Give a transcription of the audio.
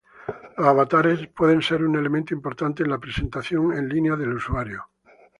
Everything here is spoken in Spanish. Los avatares pueden ser un elemento importante de la presentación en línea del usuario.